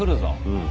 うん。